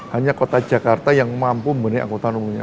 hanya kota jakarta yang mampu membenahi angkutan umumnya